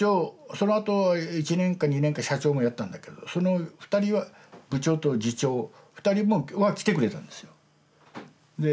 そのあと１年か２年か社長もやったんだけどその２人は部長と次長２人は来てくれたんですよ